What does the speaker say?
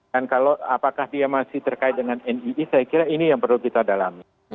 dan kalau apakah dia masih terkait dengan nii saya kira ini yang perlu kita dalami